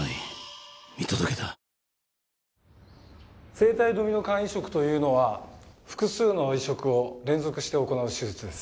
生体ドミノ肝移植というのは複数の移植を連続して行う手術です。